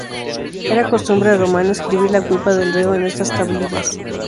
Era costumbre romana escribir la culpa del reo en estas tablillas.